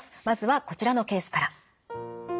まずはこちらのケースから。